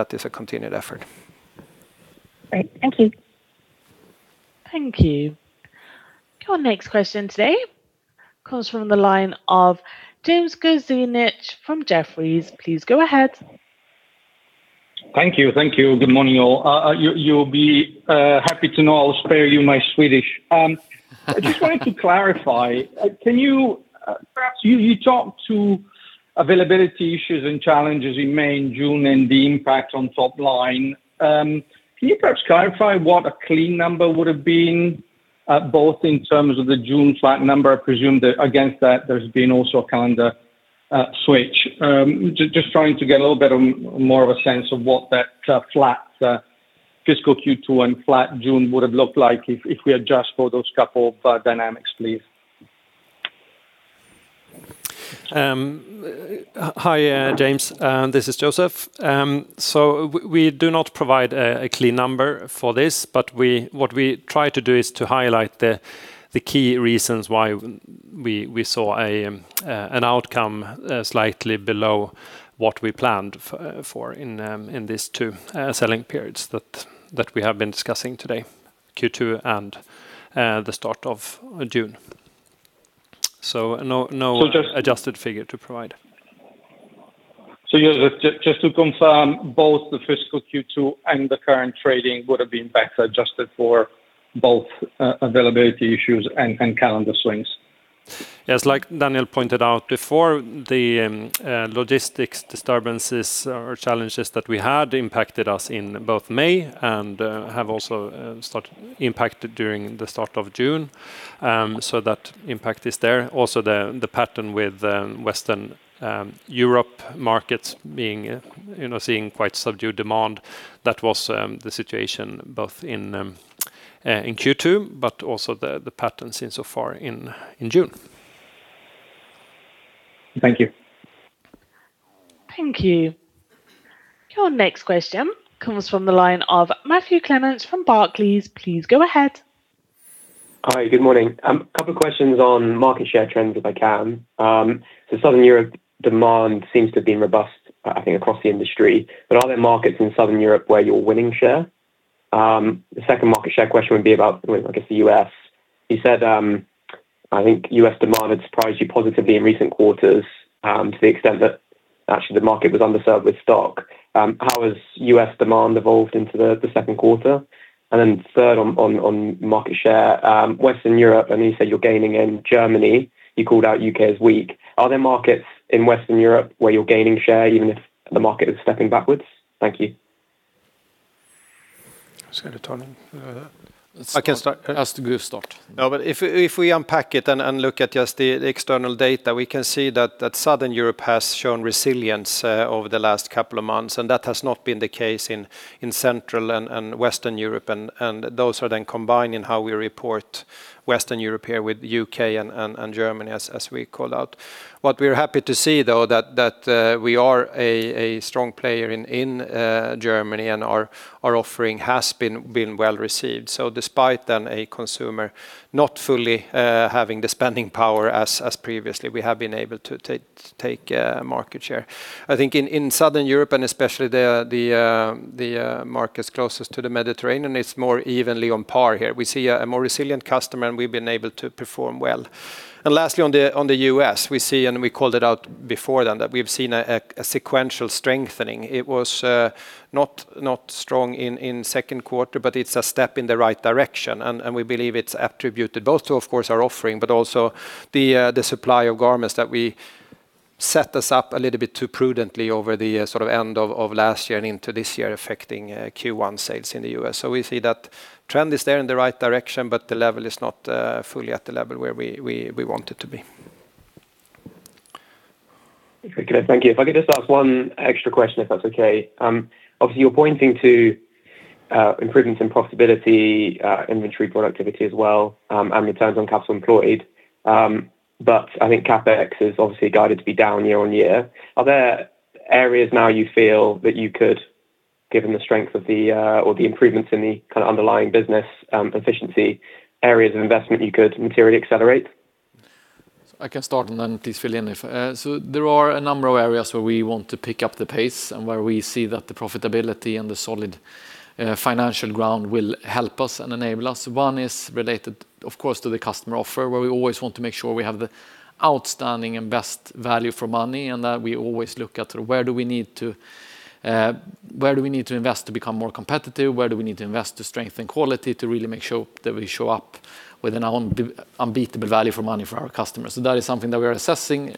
That is a continued effort. Great. Thank you. Thank you. Our next question today comes from the line of James Grzinic from Jefferies. Please go ahead Thank you. Good morning, all. You will be happy to know I will spare you my Swedish. I just wanted to clarify, perhaps you talked to availability issues and challenges in May and June and the impact on top line. Can you perhaps clarify what a clean number would have been, both in terms of the June flat number? I presume that against that there's been also a calendar switch. Just trying to get a little better, more of a sense of what that flat fiscal Q2 and flat June would have looked like if we adjust for those couple of dynamics, please. Hi, James. This is Joseph. We do not provide a clean number for this, but what we try to do is to highlight the key reasons why we saw an outcome slightly below what we planned for in these two selling periods that we have been discussing today, Q2 and the start of June. No adjusted figure to provide. Just to confirm, both the fiscal Q2 and the current trading would have been better adjusted for both availability issues and calendar swings. Yes, like Daniel pointed out before, the logistics disturbances or challenges that we had impacted us in both May and have also impacted during the start of June. That impact is there. The pattern with Western Europe markets seeing quite subdued demand. That was the situation both in Q2, but also the patterns insofar in June. Thank you. Thank you. Your next question comes from the line of Matthew Clements from Barclays. Please go ahead. Hi, good morning. A couple of questions on market share trends, if I can. Southern Europe demand seems to have been robust, I think, across the industry, but are there markets in Southern Europe where you're winning share? The second market share question would be about, I guess, the U.S. You said, I think U.S. demand had surprised you positively in recent quarters to the extent that actually the market was underserved with stock. How has U.S. demand evolved into the second quarter? Third on market share, Western Europe, I know you said you're gaining in Germany, you called out U.K. as weak. Are there markets in Western Europe where you're gaining share even if the market is stepping backwards? Thank you. Who's going to turn in? I can start. If we unpack it and look at just the external data, we can see that Southern Europe has shown resilience over the last couple of months, and that has not been the case in Central and Western Europe. Those are then combined in how we report Western Europe here with U.K. and Germany as we call out. What we are happy to see, though, that we are a strong player in Germany and our offering has been well received. Despite then a consumer not fully having the spending power as previously, we have been able to take market share. I think in Southern Europe and especially the markets closest to the Mediterranean, it's more evenly on par here. We see a more resilient customer, and we've been able to perform well. Lastly, on the U.S., we see, and we called it out before then, that we have seen a sequential strengthening. It was not strong in second quarter, but it's a step in the right direction, and we believe it's attributed both to, of course, our offering, but also the supply of garments that we set us up a little bit too prudently over the end of last year and into this year, affecting Q1 sales in the U.S. We see that trend is there in the right direction, but the level is not fully at the level where we want it to be. Okay, thank you. If I could just ask one extra question, if that's okay. Obviously, you're pointing to improvements in profitability, inventory productivity as well, and returns on capital employed. I think CapEx is obviously guided to be down year-on-year. Are there areas now you feel that you could, given the strength of the, or the improvements in the underlying business efficiency areas of investment, you could materially accelerate? I can start and then please fill in. There are a number of areas where we want to pick up the pace and where we see that the profitability and the solid financial ground will help us and enable us. One is related, of course, to the customer offer, where we always want to make sure we have the outstanding and best value for money, and that we always look at where do we need to invest to become more competitive, where do we need to invest to strengthen quality, to really make sure that we show up with an unbeatable value for money for our customers. That is something that we are assessing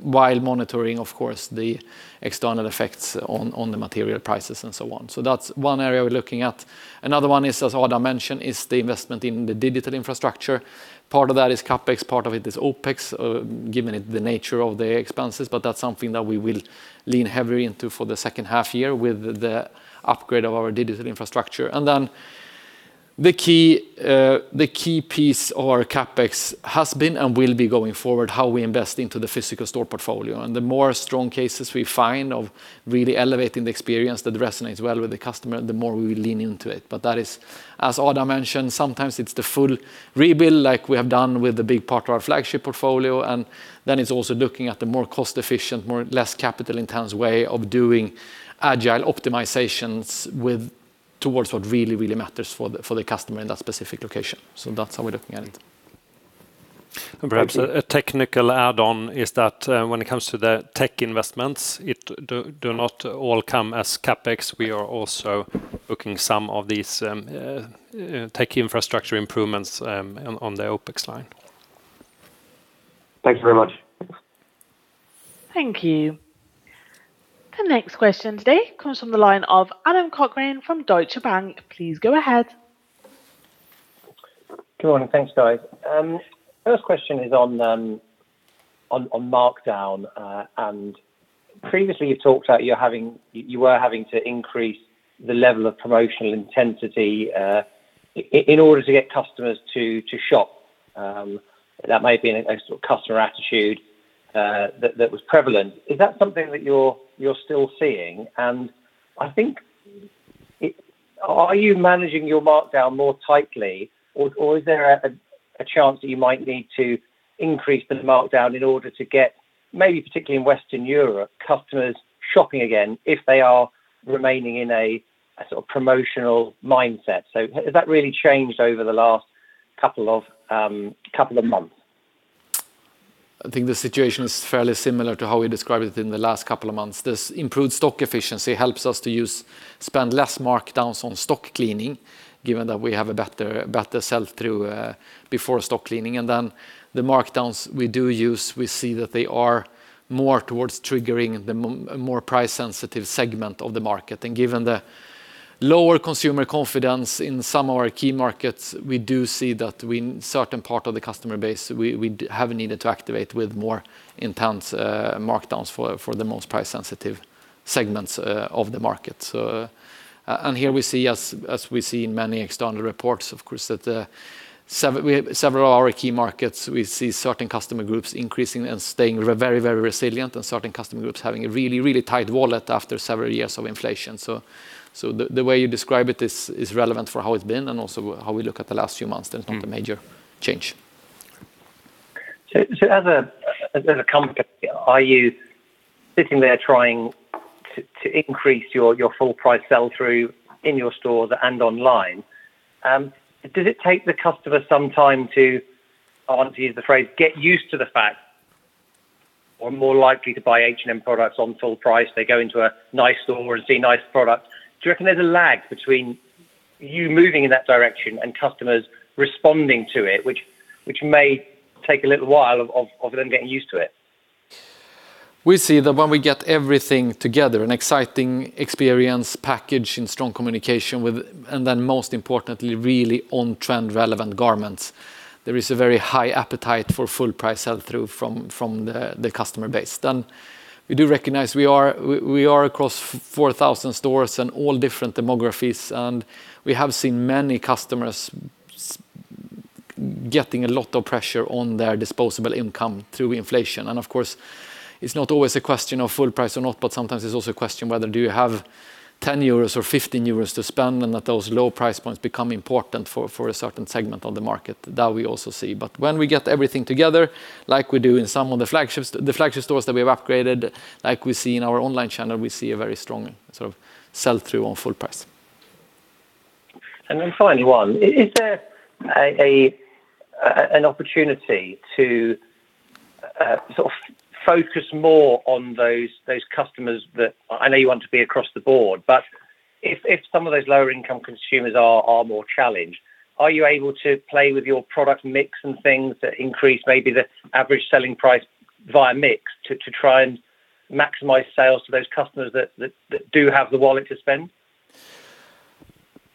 while monitoring, of course, the external effects on the material prices and so on. That's one area we're looking at. Another one is, as Adam mentioned, is the investment in the digital infrastructure. Part of that is CapEx, part of it is OpEx, given the nature of the expenses, but that's something that we will lean heavily into for the second half year with the upgrade of our digital infrastructure. The key piece of our CapEx has been and will be going forward, how we invest into the physical store portfolio. The more strong cases we find of really elevating the experience that resonates well with the customer, the more we will lean into it. That is, as Adam mentioned, sometimes it's the full rebuild like we have done with the big part of our flagship portfolio, and then it's also looking at the more cost-efficient, less capital-intense way of doing agile optimizations towards what really, really matters for the customer in that specific location. That's how we're looking at it. Perhaps a technical add-on is that when it comes to the tech investments, it do not all come as CapEx. We are also booking some of these tech infrastructure improvements on the OpEx line. Thanks very much. Thank you. The next question today comes from the line of Adam Cochrane from Deutsche Bank. Please go ahead. Good morning. Thanks, guys. First question is on markdown. Previously, you talked that you were having to increase the level of promotional intensity in order to get customers to shop. That may have been a sort of customer attitude that was prevalent. Is that something that you're still seeing? Are you managing your markdown more tightly, or is there a chance that you might need to increase the markdown in order to get, maybe particularly in Western Europe, customers shopping again if they are remaining in a sort of promotional mindset? Has that really changed over the last couple of months? I think the situation is fairly similar to how we described it in the last couple of months. This improved stock efficiency helps us to spend less markdowns on stock cleaning, given that we have a better sell-through before stock cleaning. The markdowns we do use, we see that they are more towards triggering the more price sensitive segment of the market. Given the lower consumer confidence in some of our key markets, we do see that in certain part of the customer base, we have needed to activate with more intense markdowns for the most price sensitive segments of the market. Here we see as we see in many external reports, of course, that several of our key markets, we see certain customer groups increasing and staying very, very resilient, and certain customer groups having a really, really tight wallet after several years of inflation. The way you describe it is relevant for how it's been and also how we look at the last few months. There's not a major change. As a company, are you sitting there trying to increase your full price sell-through in your stores and online? Does it take the customer some time to, I want to use the phrase, "Get used to the fact," or are more likely to buy H&M products on full price? They go into a nice store and see nice products. Do you reckon there's a lag between you moving in that direction and customers responding to it, which may take a little while of them getting used to it? We see that when we get everything together, an exciting experience package and strong communication, and most importantly, really on-trend relevant garments, there is a very high appetite for full price sell-through from the customer base. We do recognize we are across 4,000 stores and all different demographics, and we have seen many customers getting a lot of pressure on their disposable income through inflation. Of course, it's not always a question of full price or not, but sometimes it's also a question whether do you have 10 euros or 15 euros to spend, and that those low price points become important for a certain segment of the market. That we also see. When we get everything together, like we do in some of the flagship stores that we have upgraded, like we see in our online channel, we see a very strong sort of sell-through on full price. Finally, one. Is there an opportunity to focus more on those customers that, I know you want to be across the board, but if some of those lower income consumers are more challenged, are you able to play with your product mix and things that increase maybe the average selling price via mix to try and maximize sales to those customers that do have the wallet to spend?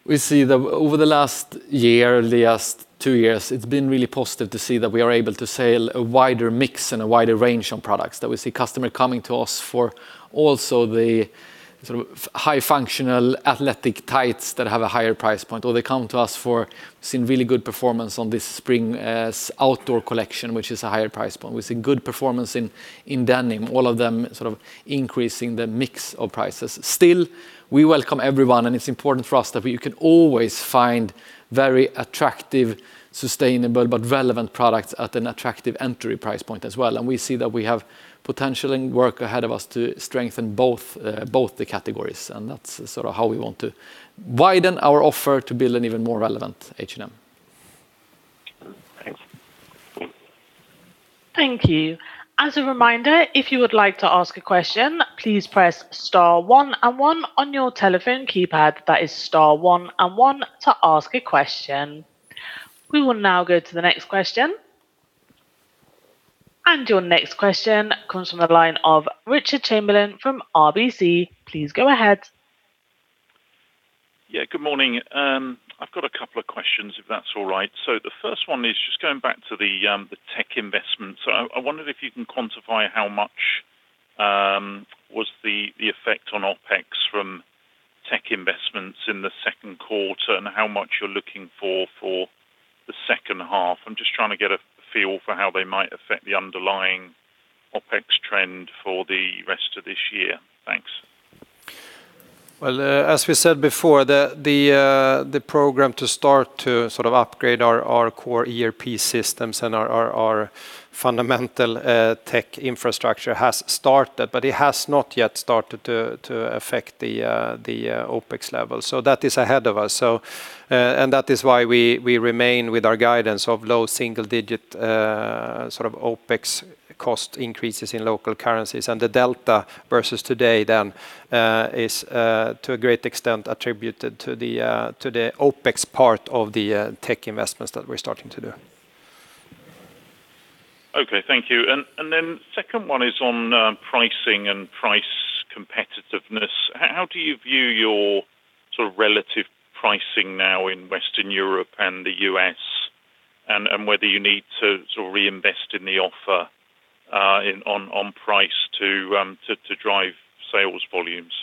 We see that over the last year, the last two years, it's been really positive to see that we are able to sell a wider mix and a wider range of products. We see customer coming to us for also the high functional athletic tights that have a higher price point, or they come to us for seeing really good performance on this spring outdoor collection, which is a higher price point. We've seen good performance in denim, all of them sort of increasing the mix of prices. We welcome everyone, and it's important for us that you can always find very attractive, sustainable, but relevant products at an attractive entry price point as well. We see that we have potential and work ahead of us to strengthen both the categories, and that's sort of how we want to widen our offer to build an even more relevant H&M. Thanks. Thank you. As a reminder, if you would like to ask a question, please press star one and one on your telephone keypad. That is star one and one to ask a question. We will now go to the next question. Your next question comes from the line of Richard Chamberlain from RBC Capital Markets. Please go ahead. Yeah, good morning. I've got a couple of questions, if that's all right. The first one is just going back to the tech investment. I wondered if you can quantify how much was the effect on OpEx from tech investments in the second quarter, and how much you're looking for the second half. I'm just trying to get a feel for how they might affect the underlying OpEx trend for the rest of this year. Thanks. Well, as we said before, the program to start to upgrade our core ERP systems and our fundamental tech infrastructure has started, but it has not yet started to affect the OpEx level. That is ahead of us. That is why we remain with our guidance of low single digit OpEx cost increases in local currencies. The delta versus today then is to a great extent attributed to the OpEx part of the tech investments that we're starting to do. Okay. Thank you. The second one is on pricing and price competitiveness. How do you view your relative pricing now in Western Europe and the U.S. and whether you need to reinvest in the offer on price to drive sales volumes?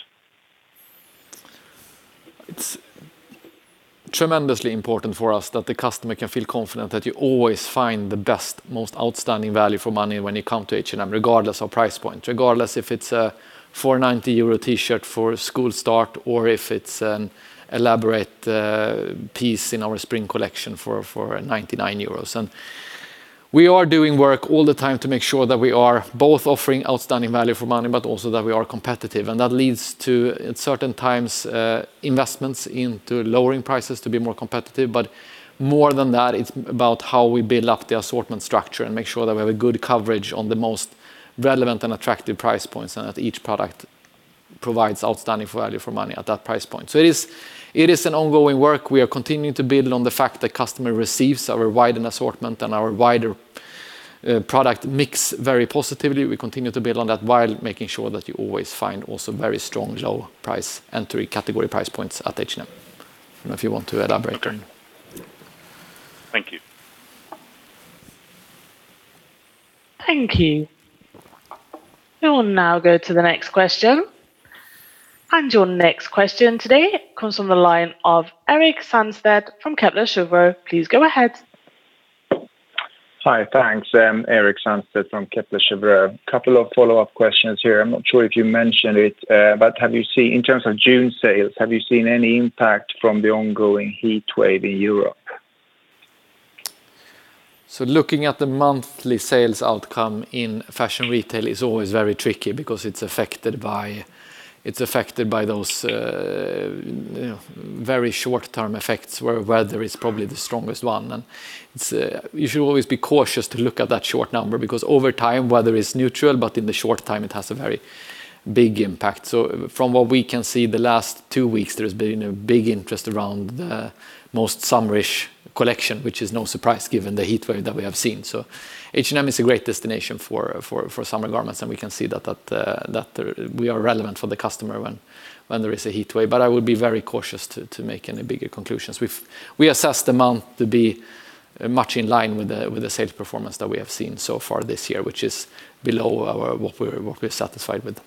It's tremendously important for us that the customer can feel confident that you always find the best, most outstanding value for money when you come to H&M, regardless of price point. Regardless if it's a 4.90 euro T-shirt for a school start or if it's an elaborate piece in our spring collection for 99 euros. We are doing work all the time to make sure that we are both offering outstanding value for money, but also that we are competitive. More than that, it's about how we build up the assortment structure and make sure that we have a good coverage on the most relevant and attractive price points, and that each product provides outstanding value for money at that price point. It is an ongoing work. We are continuing to build on the fact that customer receives our widened assortment and our wider product mix very positively. We continue to build on that while making sure that you always find also very strong low price entry category price points at H&M. I don't know if you want to elaborate. Okay. Thank you. Thank you. We will now go to the next question. Your next question today comes from the line of Erik Sandstedt from Kepler Cheuvreux. Please go ahead. Hi. Thanks. Erik Sandstedt from Kepler Cheuvreux. Couple of follow-up questions here. I am not sure if you mentioned it, in terms of June sales, have you seen any impact from the ongoing heat wave in Europe? Looking at the monthly sales outcome in fashion retail is always very tricky because it's affected by those very short term effects, where weather is probably the strongest one. You should always be cautious to look at that short number, because over time, weather is neutral. In the short time, it has a very big impact. From what we can see, the last two weeks, there's been a big interest around the most summerish collection, which is no surprise given the heat wave that we have seen. H&M is a great destination for summer garments, we can see that we are relevant for the customer when there is a heat wave. I would be very cautious to make any bigger conclusions. We assess the month to be much in line with the sales performance that we have seen so far this year, which is below what we're satisfied with.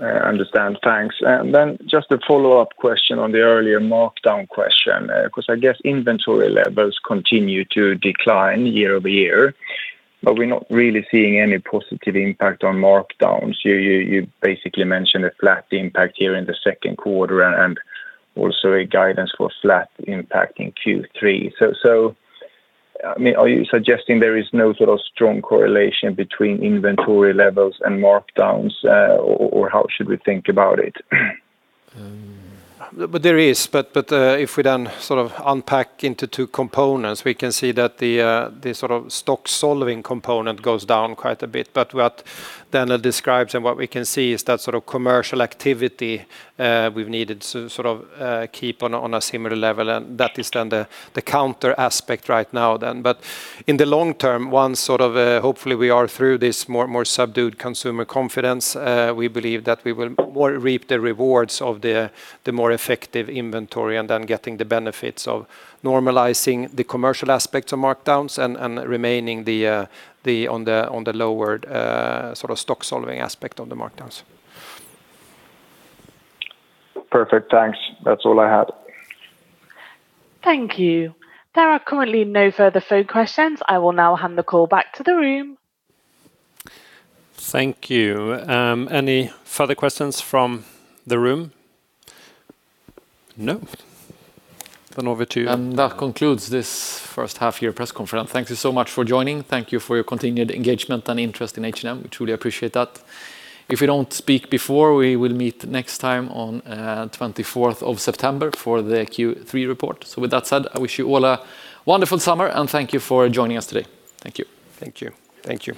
I understand. Thanks. Just a follow-up question on the earlier markdown question. Because I guess inventory levels continue to decline year-over-year, but we're not really seeing any positive impact on markdowns. You basically mentioned a flat impact here in the second quarter and also a guidance for flat impact in Q3. Are you suggesting there is no sort of strong correlation between inventory levels and markdowns? Or how should we think about it? There is, but if we then unpack into two components, we can see that the stock solving component goes down quite a bit. What Daniel describes and what we can see is that commercial activity we've needed to keep on a similar level, and that is then the counter aspect right now then. In the long term, once hopefully we are through this more subdued consumer confidence, we believe that we will more reap the rewards of the more effective inventory and then getting the benefits of normalizing the commercial aspects of markdowns and remaining on the lowered stock solving aspect of the markdowns. Perfect. Thanks. That's all I had. Thank you. There are currently no further phone questions. I will now hand the call back to the room. Thank you. Any further questions from the room? No. Over to you. That concludes this first half year press conference. Thank you so much for joining. Thank you for your continued engagement and interest in H&M. We truly appreciate that. If we don't speak before, we will meet next time on 24th of September for the Q3 report. With that said, I wish you all a wonderful summer, and thank you for joining us today. Thank you. Thank you. Thank you